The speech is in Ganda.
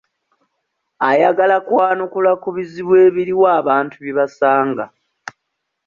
Ayagala kwanukula ku bizibu ebiriwo abantu bye basanga.